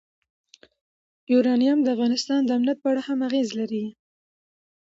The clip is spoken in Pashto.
یورانیم د افغانستان د امنیت په اړه هم اغېز لري.